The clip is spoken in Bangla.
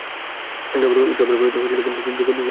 ঝগড়া করে তো যোগ্যতা লাভ করা যায় না।